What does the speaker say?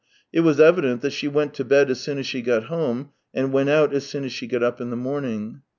It was evident that she went to bed as soon as she got home, and went out as soon as she got up in the morning.